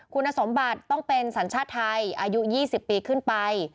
คุณสมบัติต้องเป็นสัญชาติไทยอายุ๒๐ปีขึ้นไป